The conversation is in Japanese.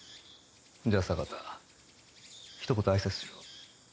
じゃあ坂田ひと言挨拶しろ。